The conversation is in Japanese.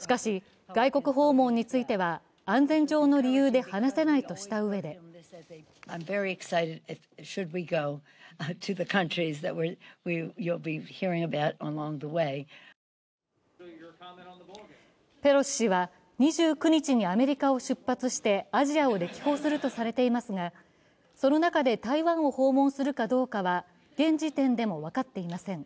しかし、外国訪問については安全上の理由で話せないとしたうえでペロシ氏は２９日にアメリカを出発してアジアを歴訪するとされていますが、その中で台湾を訪問するかどうかは現時点でも分かっていません。